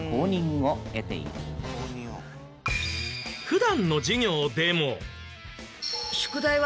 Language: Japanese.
普段の授業でも。